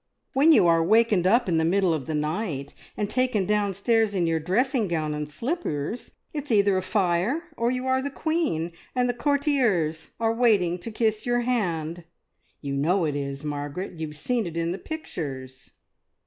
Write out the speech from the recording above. "When you are wakened up in the middle of the night, and taken downstairs in your dressing gown and slippers, it's either a fire, or you are the queen, and the courtiers are waiting to kiss your hand. You know it is, Margaret! You have seen it in the pictures!"